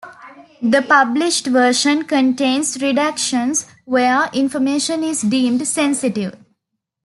The published version contains redactions where information is deemed sensitive.